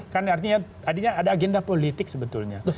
kan artinya tadinya ada agenda politik sebetulnya